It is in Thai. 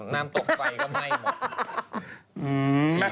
น้ำตกไฟก็ไหม้หมด